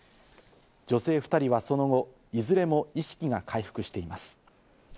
女性２人はその後、いずれも意識が回復しています。